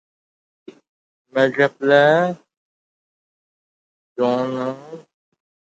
U bizga ingliz tilidan saboq berardi.